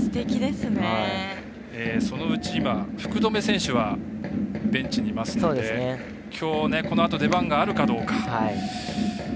そのうち福留選手はベンチにいますのできょう、このあと出番があるかどうか。